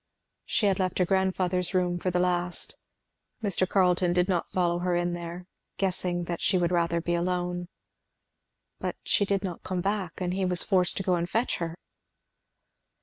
She had left her grandfather's room for the last. Mr. Carleton did not follow her in there, guessing that she would rather be alone. But she did not come back, and he was forced to go to fetch her.